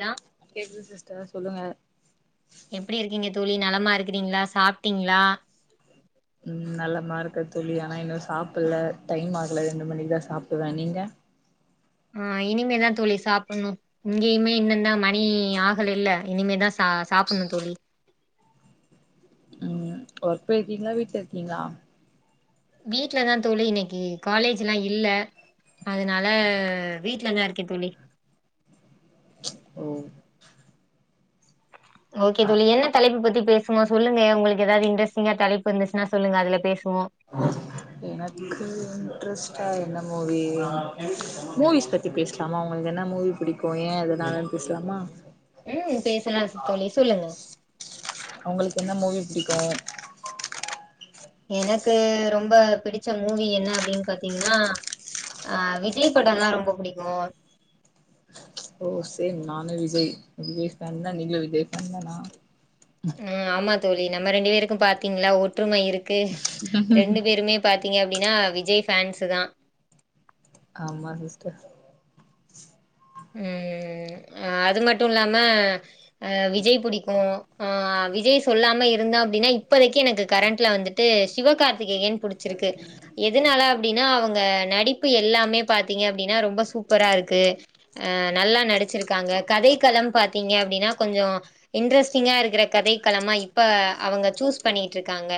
நான் கேக்குது சிஸ்டர் சொல்லுங்க எப்டி இருக்கீங்க தோழி நலமா இருக்கிறீங்களா சாப்ட்டீங்களா உம் நலமா இருக்கே தோழி ஆனா இன்னும் சாப்பிடல டைம் ஆகல ரெண்டு மணிக்கு தான் சாப்பிடுவேன் நீங்க ஆ இனிமேதா தோழி சாப்புட்ணு இங்கேயுமே இன்னந்தா மணி ஆகலல இனிமேதா சா சாப்புட்ணு தோழி ஓர்க் போய்ருக்கீங்ளா வீட்ல இருக்கீங்ளா வீட்ல தா தோழி இன்னைக்கி காலேஜ்லா இல்ல அதனால வீட்லதா இருக்க தோழி ஓ ஓகே தோழி என்ன தலைப்பு பத்தி பேசுமா சொல்லுங்க உங்களுக்கு ஏதாவது இன்ட்ரஸ்டிங்கா தலைப்பு இருந்துச்சுனா சொல்லுங்க அதுல பேசு எனக்கு இன்ட்ரெஸ்ட் டா என்ன மூவி மூவிஸ் பத்தி பேசலாமா உங்களுக்கு என்ன மூவி பிடிக்கு ஏ எதனால பேசலாமா ம் பேசலா சித் தோழி சொல்லுங்க உங்களுக்கு [unintelligible] எனக்கு ரொம்ப பிடிச்ச மூவி என்ன அப்டின் பாத்தீங்கன்னா ஆ விஜய் படம்லா ரொம்ப புடிக்கும் ஓ சேம் நானு விஜய் விஜய் ஃபன் தா நீங்ளு விஜய் ஃபேன் தானா ம் ஆமாத் தோழி நம்ம ரெண்டு பேருக்கு பாத்தீங்ளா ஒற்றுமை இருக்கு க்கு ரெண்டு பேருமே பாத்தீங்க அப் அப்டினா விஜய் ஃபன்ஸு தா ஆமா சிஸ்டர் ம் அது மட்டு இல்லாம அ விஜய் புடிக்கு ஆ விஜய் சொல்லாம இருந்த அப்டின்னா இப்போதைக்கு எனக்கு கரண்ட்ல வந்துட்டு சிவக்கார்த் திகேயன் புடிச்சிருக்கு எதுனால அப்டினா அவங் க நடிப்பு எல்லாமே பாத்தீங்க அப்டினா ரொம்ப சூப்பரா இருக்கு அ நல்லா நடிச்சிருக்காங்க கதைக்களம் பாத்தீங்க அப்டினா கொஞ்சோ இன்ட்ரெஸ்ட்டிங்கா இருக்கிற கதைக்களமா இப்ப அவங்க சூஸ் பண்ணிட்டு இருக்காங்க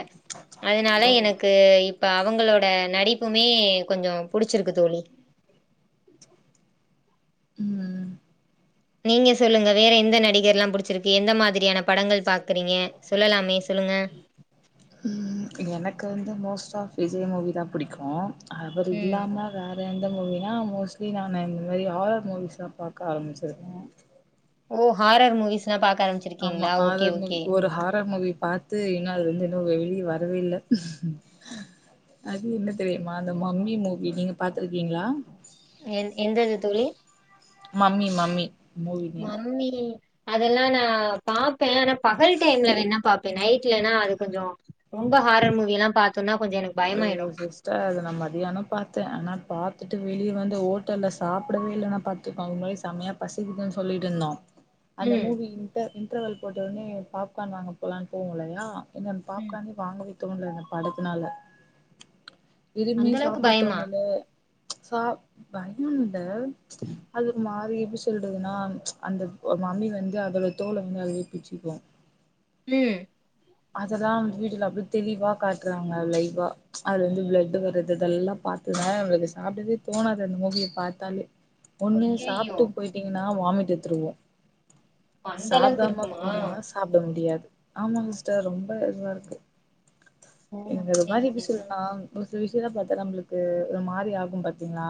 அதனால ஓ எனக்கு இப்ப அவங்களோட நடிப்புமே கொஞ்சோ புடிச்சிருக்கு தோழி ம் ம் நீங்க சொல்லுங்க வேற எந்த நடிகர்லா புடிச்சிருக்கு எந்த மாதிரியான படங்கள் பாக்குறீங்க சொல்லலாமே சொல்லுங்க ம் எனக்கு வந்து மோஸ்ட் ஆஃப் விஜய் மூவி தா புடிக்கு அவர் ம் இல்லாம வே எந்த மூவினா மோஸ்ட்லி நானு இந்த மாரி ஆரர் மூவிஸ்லா பாக்க ஆரம்பிச்சிருவே ஓ ஹாரர் மூவிஸ்லா பாக் ஆமா ஆரர் ஒரு ஹாரர் மூவி பாத்து இன்னு அது வந்து வெளிய வரவே இல்ல அது என்ன தெரியுமா அந்த மம்மி மூவி நீங்க பாத்துருக்கீங்ளா எ எந்தது தோழி mummy mummy movie name mummy அதெல்லா நான் பாப் பே ஆனா பகல் டைம்ல வேணன பாப் பே நைட்லனா அது கொஞ்சோ ரொம்ப ஹாரர் மூவிய எல்லா பாத்தோனா கொஞ்சோ எனக்கு அ பயமாயிடு சிஸ்டர் அத நான் மதியானம் பாத்தேன் ஆனா பாத்துட்டு வெளியே வந்து ஹோட்டல்லல சாப்பிடவே இல்லன்னா பாத்தக்கோங்க செமையா பசிக்குதுன்னு சொல்லிட்டு இருந்தோம் அந்த ம் மூவி இன்டர் இன்றவல் போட்ட உடனே பாப்கார்ன் வாங்க போகலான்னு போவோம் இல்லயா என்ன ம் பாப்காண்னே வாங்க விட தோனல இந்த படுத்துனால எதுமே அந்த அளவுக்கு சாப்பிட பயமா தோணல ச்சு சா பயம்ல ச்சு அது மாறி எப்படி சொல்றதுன்னா ச்சு அந்த மம்மி வந்து அதோட தோலை வந்து அதுவே பிச்சுக்கும் உம் அதெல்லா வீட்டுல அப்படிய தெளிவா காட்டுறாங்க லைவா அதுல வந்து பிளட்டு் வருறது இதெல்லா பாத்தவுடனே நம்மளுக்கு சாப்பிடறதே தோணாது அந்த மூவிய பாத்தாலே ஒண்ணு ஐயையோ சாப்பிட்டு போயிட்டீங்கன்ன நான் வாமிட் எடுத்துருவோம் அந்த அளவுக்கு சாப்பிடாம இருக்குமா போனா சாப்பிட முடியாது ஆமாங்க சிஸ்டர் ரொம்ப இதுவா இருக்கு ஓ எங்கள சேரி மாரி இருக்க சேரி சொல்லுங்னா சில விஷயத்த பாத்தா நம்மளுக்கு ஒரு மாரி ஆகும் பாத்தீங்களா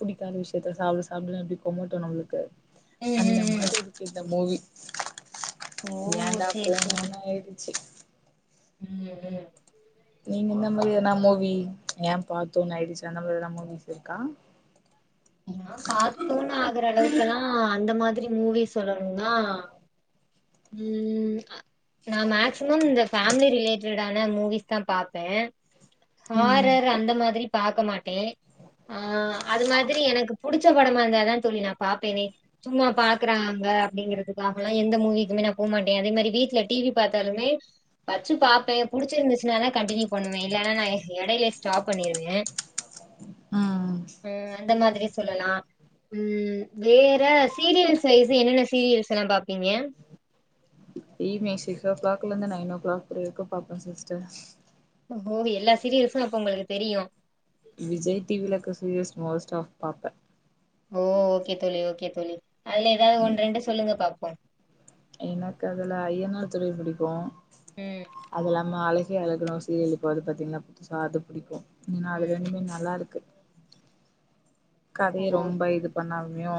புடிக்காத விஷயத்த சாப்பிட சாப்பிடனு எப்படி குமட்டும் நம்மளுக்கு ம் அந்த ம் ம் மாரி இருக்கு இந்த மூவி [inaudible] ஓ சேரி ஏன்டாப்போனோனு சேரி ஆயிட்டு [inaudible] ம் ம் நீங்க இந்த மாரி ஏதனா மூவி ஏன் பார்த்தோணு ஆய்டிச்சி அந்த மாரி எதா மூவிஸ் இருக்கா ஏன்னா பார்த்தோனு ஆகற அளவுக்குல்லாம் அந்த மாதி ரி மாதிரி மூவி சொல்லணும்னா ம் நான் மேக்சிமம் இந்த ஃப்பேமிலி ரிலேட்டடான மூவிஸ் தான் பாப்பேன் ம் ஹாரர் அந்த மாதிரி பாக்க மாட்டேன் ஆ அது மாதி ரி எனக்கு புடிச்ச படமா இருந்தாதான் தோழி நான் பார்ப்பேனே சும்மா பாக்குறாங்க அப்படிங்கறிறதுக்காகல்லாம் எந்த மூவிக்குமே நான் போகமாட்டேன் அதே மாதிரி வீட்டுல டிவி பார்த்தாலுமே வச்சு பார்ப்பேன் புடிச்சிருந்துச்சுன்ன ரி தான் கண்டினியூ பண்ணுவேன் இல்லன்னா நான் எடையிலயே ஸ்டாப் பண்ணிருவேன் ஆ ஆ அந்த மாதிரி சொல்லலாம் ம் வேற சீரியல்ஸ் வைஸ் என்னென்ன சீரியல்ஸ் எல்லாம் பாப்பீங்க ஈவினிங் சிக்ஸ் ஓ கிளாக்ல இருந்து நைன் ஓ கிளாக் வரைக்ரகும் மே பாப்பேன் சிஸ்டர் ஓ எல்லா சீரியஸம் அப்ப உங்களுக்கு தெரியும் விஜய் டிவியில இருக்குர சிரியஸ் மோஸ்ட் ஆஃப் பாப்ப ஓ ஓகே தோழி ஓகே தோழி அதுல ஏதாது ம் ஒன்ரெண்டு சொல்லுங்க பாப் ப எனக்கு அதுல அய்யனார் துணை புடிக்கு ம் அதுல்லாம அலை அழகே அழகணு ஒரு சீரியல் இருக்கு அது பாத்தீங்கனா புதுசா அது புடிக்கு இன் அது ம் ரெண்டுமே நல்லா இருக்கு கதைய ஓ ரொம்ப இது பண்ணாமயு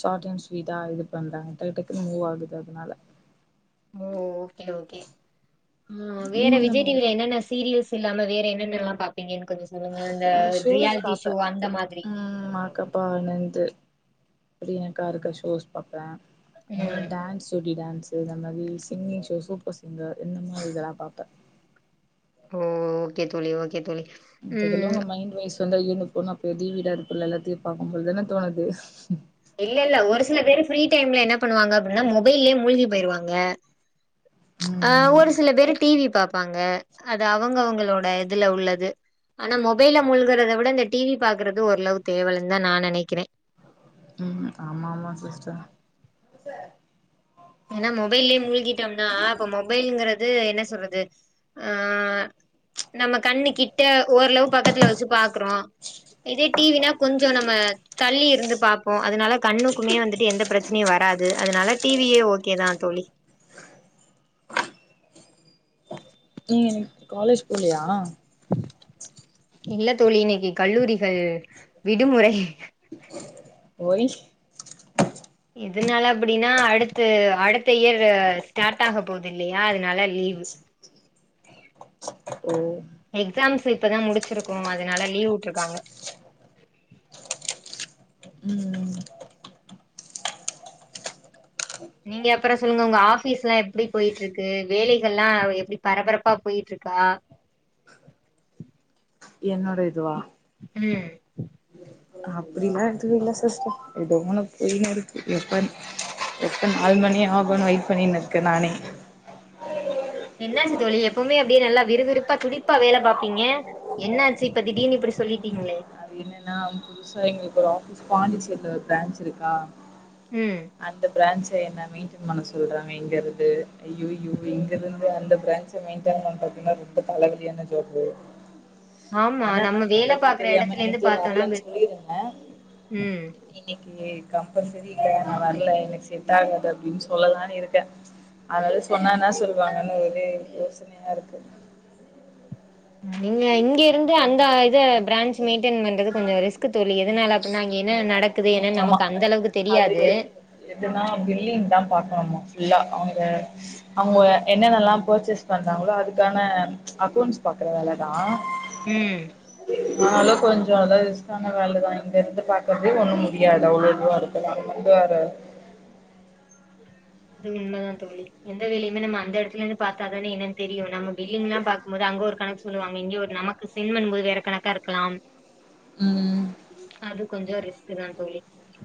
ஷார்ட் அண்ட் ஸ்வீடா இது பண்றாங்க டக் டக்குனு மூவ் ஆகுது அதனால ஒகே ஒகே ம் வேற நீங்க என்ன விஜய் மூவி டிவில என்னென்ன சீரியல்ஸ் இல்லாம வேற என்னென்னெல்லா பாப்பீங்கன் கொஞ்சோ சொல்லுங்க அந்த ஷோஸ் ரியாலிட்டி பாப்பே ஷோ அந்த மாதிரி பிரியங்கா இருக்குற ஷோஸ் பாப்ப இல்லனா ம் டான்ஸ் ஜோடி டான்ஸ் சோ இந்த மாதி சிங்கிங் ஷோ சூப்பர் சிங்கர் இந்த மாதி இதெல்லா பாப்ப ஓ ஓகே தோழி ஓகே தோழி மொத்ததுல ம் உங்க மைண்ட் வாய்ஸ் சொந்த ஈு போனு பெரி வீடா இருக்குல்ல எல்லாத்தயு பாக்கும் பொழுதுதான தோணது இல்ல இல்ல ஒரு சில பேரு ஃப்ரீ டைம்ல என்ன பண்ணுவாங்க அப்டினா மொபைல்லே மூழ்கி போய்ருவாங்க ஆ ம் ஒரு சில பேரு டிவி பாப்பாங்க அது அவங்க அவங்களோட இதுல உள்ளது ஆனா மொபைல முழ்கறத விட இந்த டிவி பாக்குறது ஓரளவு தேவலன் தா நா நனைக்கிற ம் ஆமா ஆமா சிஸ்டர் ஏனா மொபைல்லயே மூழ்கிட்டம்னா இப்ப மொபைல்ங்கறது என்ன சொல்றது ஆ நம்ம கண்ணு கிட்ட ஓரளவு பக்கத்துல வச்சு பாக்குறோ இதே டிவினா கொஞ்சோ நம்ம தள்ளி இருந்து பாப்போ அதனால கண்ணுக்குமே வந்துட்டு எந்த பிரச்சனையு வராது அதனால டிவியே ஓ கே தா தோழி நீங்க எனக் காலேஜ் போலயா இல்ல தோழி இன்னைக்கி கல்லூரிகள் விடுமுறை ஒய் எதுனால அப்டினா அடுத்து அடுத்த இயர் ஸ்டார்ட் ஆக போதுல்லயா அதனால லீவு ஓ எக்ஸம்ஸ் இப்பதா முடிச்சிருக்கோ அதனால லீவ் வுட்ருக்காங்க ம் நீங்க அப்றோ சொல்லுங்க உங்க ஆபீஸ்லா எப்டி போய்ட்ருக்கு வேலைகள்லா எப்டி பரபரப்பா போய்ட்டு இருக்கா என்னோட இதுவா ம் அப்டிலா எதுவு இல்ல சிஸ்டர் ஏதோ ஒன்னு போய்னு இருக்கு எப்ப எப்ப நாலு மணி ஆகுன் வெட் பண்ணினு இருக்க நானே என்னாச்சு தோழி எப்பவுமே அப்டியே நல்லா விறுவிறுப்பா துடிப்பா வேல பாப்பீங்க என்னாச்சு இப்ப திடீர்னு இப்படி சொல்லிட்டீங்களே அது என்னன்னா புதுசா எங்களுக்கு ஒரு ஆஃபீஸ் பாண்டிச்சேரில ஒரு பிராஞ்ச் இருக்கா ம் அந்த பிராஞ்ச் க்கு என்ன மேய்ண்டேன் பண்ண சொல்றாங்க இங்க இருந்து அய்யயோ இங்க இருந்து அந்த பிராஞ்ச மெய்ண்டேண் பண்றதுனா ரொம்ப தலவலியான ஜாபு ஆமா அதா நம்ம வேலை பாக்குற எடத்துல இருந்து பாத்தோம்னா பெ சொல்லிருந்த ம் இன்னைக்கு கம்பல்சரிங்க நான் வரல எனக்கு செட் ஆகாது அப்டின்னு சொல்லலான்னு இருக்கேன் அதனால சொன்னா என்ன சொல்லுவாங்கன்னு ஒரே யோசனையா இருக்கு நீங்க இங் இங்கிருந்து அந்த இத பிரான்ச் மெயின்டென் பண்றது கொஞ்சம் ரிஸ்க் தோழி எதனால அப்டின்னா அங்க என்னென்ன நடக்குது என்னன்னு ஆமா நமக்கு அந்த அளவுக்கு அது தெரியாது ஆமா ஃபுல்லா அவுங்க அவுங்க என்னென்னல்லா பர்ச்சேஸ் பண்றாங்களோ அதுக்கான அக்கௌண்ட்ஸ் பாக்கற வேல தா உம் அதுனால கொஞ்ச அதாது ரிஸ்க்கான வேல தா இங்க இருந்து பாக்கறதே ஒன்னு முடியாது அவ்ளோ இதுவா [inaudible] கொண்டு வர அது உண்ம தா தோழி எந்த வேலையுமே நம்ம அந்த எடத்துல இருந்து பாத்தா தானே என்னன் தெரியு நம்ம பில்லிங்லா பாக்கும்போது அங்க ஒரு கணக் சொல்லுவாங்க இங்க ஒரு நமக்கு சென்ட் பண்ணும்போது வேற கணக்கா இருக்கலாம் ம் அது கொஞ்சோ ரிஸ்க்கு தா தோழி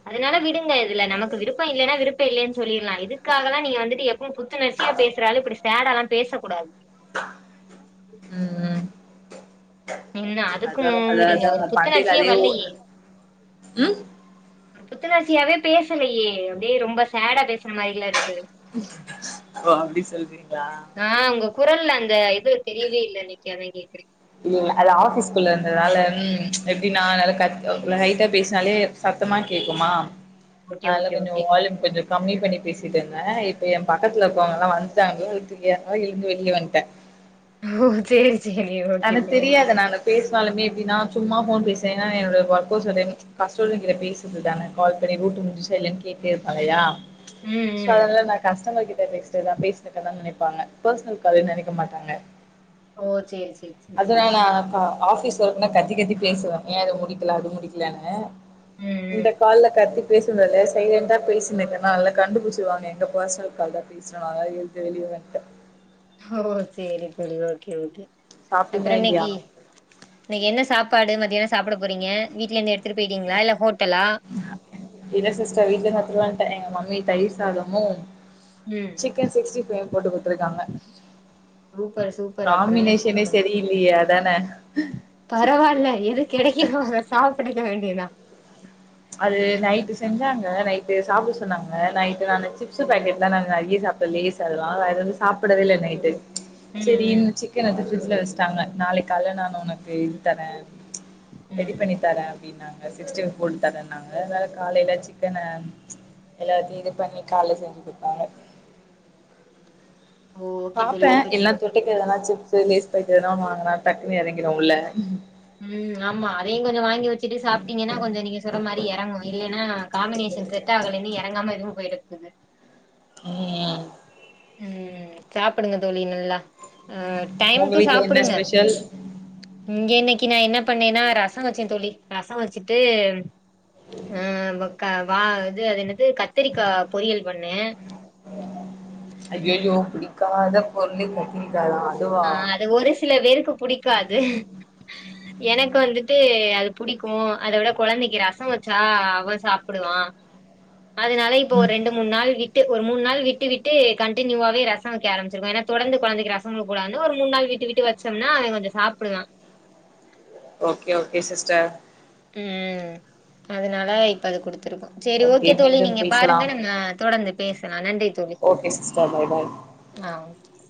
அதுனால விடுங்க இதுல நமக்கு விருப்போ இல்லைனா விருப்போ இல்லைன் சொல்லிர்லா இது காகல்லா நீங்க வந்துட்டு எப்பவு புத்துணர்ச்சியா பேசுற ஆளு இப்டி சேடால்லா பேசக்கூடாது ம் அதா அதா அதுக்குங்கிறீங்க அதா ஒரு மண்டைல புத்துணர்ச்சியே அதே ஓ வல்லையே உம் ஒரு புத்துணர்ச்சியாவே பேசலையே அப்டியே ரொம்ப சேடா பேஸ்ற மாரில்ல இருக்கு ஓ அப்டி சொல்றி ஆஹ் உங்க குரல்ல இந்த இது தெரியவே இல்ல இன்னிக்கு அதா கேக்கறே அது ஆஃபீஸ்க்குள்ள அந்த வேல ம் எப்டின்னா நல்லா கத் அ லைட்டா பேஸ்னாலே சத்தமா கேக்குமா ஓகே அதுல ஓகே கொஞ்ச ஓகே வால்யூம் கொஞ்ச கம்மி பண்ணி பேசிட்டுருந்தே இப்ப எம்பக்கத்துல இருக்கவுங்கல்லா வந்ட்டாங்க வீட்டுக்கெளம்ப மாரி எழுந்து வெளிய வந்ட்டே ஓ சேரி சேரி ஓகே எனக்கு தோழி தெரியாதனால பேஸ்னாலுமே எப்டின்னா சும்மா ஃபோன் பேசுனா என்னோடய ஒர்க்கர்ஸோட கஸ்டமர்ஸ் கிட்ட பேஸ்ரதுதான கால் பண்ணி டூட்டி முடிஞ்சா இல்லையானு கேட்டே இருப்பாங்கள்ளையா ம் ச் சோ ம் அதனால நான் கஷ்டமர் கிட் டமர்ஸ்ட பேசுறேன்தா பேசிட்ருக்கதா நெனைப்பாங்க ஃபர்சனல் கால்னு நெனைக்க மாட்டாங்க ஓ சேரி சேரி சேரி சேரி ஆபிஸ் ஒர்க்னா கத்தி கத்தி பேசுவேன் ஏன் அத முடிக்கல அது முடிக்கலனு ம் இந்த ம் கால்ல கத்தி பேசுறதுல்லா சைலண்ட்டா பேசினுக்கேனா அதுனால கண்டுபுட்ச்சிருவாங்க எங்க பர்சனல் கால் தா பேசுறோ அதனால எழுந்து வெளிய வந்ட்டே ஓ சேரி சேரி ஓகே ஓகே அப்பறோ சாப்ட்டீங்களா இல்லையா இன்னிக்கு இன்னிக்கு என்ன சாப்பாடு மத் என சாப்ட போறீங்க வீட்லந்து எடுத் இல்ல சிஸ்டர் வீட்லந்து எடுத்துட்டு வன்ட்டே எங்க மம்மி தயிர் சாதமு ம் சிக்கன் சிக்ஸ்டி ஃபைவ் போட்டு குடுத்துருக்காங்க சூப்பர் சூப்பர் அப்றோ என்ன காம்பினேஷனே சாப்ட செரி இல்லையே அ அதான பரவால்ல எது கெடைக்கிதோ அத சாப்டு ட வேண்டிதா அது நைட்டு செஞ்சாங்க நைட்டு சாப்ட சொன்னாங்க நைட்டு நானு சிப்ஸ்சு பாக்கெட்லா நாங்க அங்கயே சாப்பல்ல லேஸ் அதுலா வேற எதும் சாப்டவே இல்ல நைட்டு ச் ம் ம் செரீன்னு சிக்கன் எடுத்து ஃப்ரிட்ஜில வச் தாங்க நாளேக் காலேல நாங்க உனக்கு இது தரே ரெடி ம் பண்ணி தரே அப்டின்னாங் சிக்ஸ்டீ ஃபைவ் [unintelligible] தரேனாங்க அதால காலையில சிக்கன ச் எல்லாத்தையும் இது பண்ணி காலேல செஞ்சு குடுத்தாங்க ஓ ஓகே தோழி பாப்பே ஓகே தோழி இல்லனா தொட்டுக்க எதனா சிப்ஸ் ப்ஸ் லேஸ் பாக்கெட் எதுனா வாங்னா டக்குனு இறங்கிரு உள்ள ம் ஆமா அதையு கொஞ்சோ வாங்கி வச்சுட்டு சாப்ட்டீங்கன்னா கொஞ்சோ நீங்க சொல் ற மாரி இறங்கு இல்லன்னா காம்பினேஷன் செட்டாகலனு இறங்காம இதுவும் போயிடு [unintelligible] ம் ம் சாப்டுங்க தோழி நல்லா ஆஹ் உங்க டைமுக்கு வீட்ல என்ன சாப்டுங்க ஸ்பெஷல் இங்க இன்னக்கி இன்னக்கி நா என்ன பண்ணேன்னா ரசம் வச்சே தோழி ரசம் வச்சுட்டு அ வ க வ இது அது என்னது கத்திரிக்கா பொரியல் பண்ணே ஐயயோ பிடிக்காத பொருளே கத்திரி ஆஹ் அது ஒரு சில பேருக்கு புடிக்காது எனக்கு வந்துட்டு அது புடிக்கு அத விட கொழந்தைக்கு ரசம் வச்சா அவன் சாப்பிடுவா அதுனால இப்போ ஒரு ம் ரெண்டு மூணு நாள் விட் டு ஒரு மூணு நாள் விட்டு விட்டு கண்டினியூவாவே ரசம் வக்க ஆரம்பிச்சிருவே ஏன்னா தொடர்ந்து கொழந்தைக்கு ரசம் கூடாதுன்னு ஒரு மூணு நாள் விட்டு விட்டு வச்சோம்னா அவே கொஞ்சே சாப்டுவா ஓகே ஓகே சிஸ்டர் ம் அதுனால இப்ப அது குடுத் திருக்கு சேரி ஓகே தோழி மீண்டும் நீங்க பாருங்க பேசலாம் நாம்ம தொடர்ந்து பேசலா நன்றி தோழி ஓகே சிஸ்டர் பாய் பாய் ஆஹ் ஓகே